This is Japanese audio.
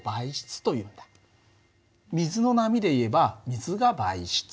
水の波でいえば水が媒質。